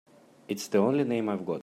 It's the only name I've got.